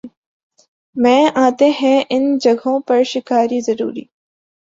میں آتے ہیں ان جگہوں پر شکاری حضرات